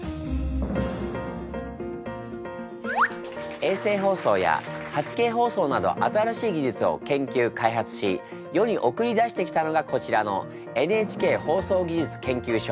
衛星放送や８Ｋ放送など新しい技術を研究開発し世に送り出してきたのがこちらのＮＨＫ放送技術研究所。